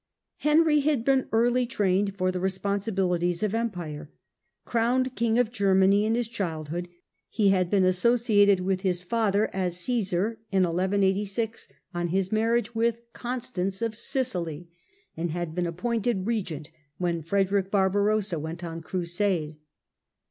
Henry had been early trained for the responsibilities of Empire. Crowned king of Germany in his childhood, he had been associated with his father as " Csesar" in 1186, on his marriage with Constance of Sicily (see p. 169), and had been appointed regent when Frederick Barbarossa went on crusade.